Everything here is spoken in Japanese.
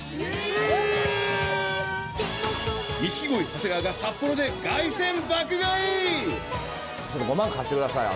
錦鯉、長谷川が札幌で凱旋爆買い！